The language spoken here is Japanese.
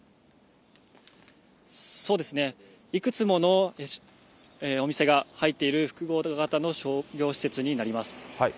そうですね、いくつものお店が入っている複合型の商業施設になります。